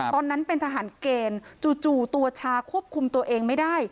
ตอนนั้นเป็นทหารเกณฑ์จู่ตัวชาควบคุมตัวเองไม่ได้